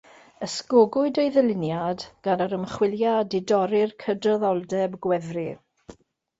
Ysgogwyd ei ddyluniad gan yr ymchwiliad i dorri'r Cydraddoldeb Gwefru.